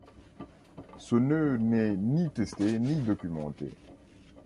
Ce nœud n'est ni testé ni documenté.